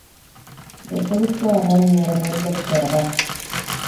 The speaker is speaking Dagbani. bɛ kul tɔrila niriba libigiri ba.